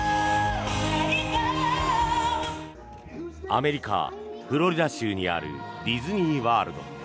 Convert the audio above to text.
アメリカ・フロリダ州にあるディズニー・ワールド。